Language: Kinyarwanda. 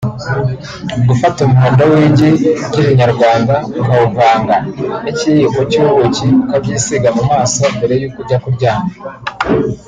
Gufata umuhondo w’igi ry’irinyarwanda ukawuvanga n’ikiyiko cy’ubuki ukabyisiga mu maso mbere yuko ujya kuryama